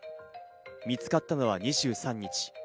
見つかったのは２３日。